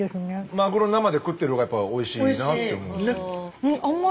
まぐろ生で食ってる方がやっぱおいしいなって思うし。